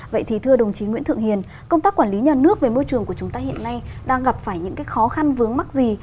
vậy thì thưa đồng chí nguyễn thượng hiền công tác quản lý nhà nước về môi trường của chúng ta hiện nay đang gặp phải những khó khăn vướng mắc gì